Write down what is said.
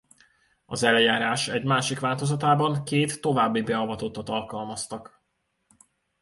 Az eljárás egy másik változatában két további beavatottat alkalmaztak.